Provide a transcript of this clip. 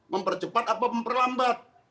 mempercepat apa memperlambat